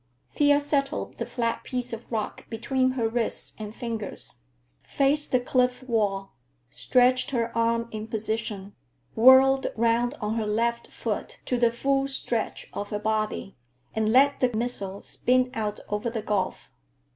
Thea settled the flat piece of rock between her wrist and fingers, faced the cliff wall, stretched her arm in position, whirled round on her left foot to the full stretch of her body, and let the missile spin out over the gulf.